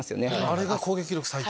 あれが攻撃力最強。